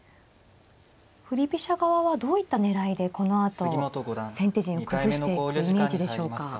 振り飛車側はどういった狙いでこのあと先手陣を崩していくイメージでしょうか。